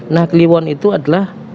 nah kliwon itu adalah